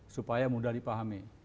supaya mudah dipahami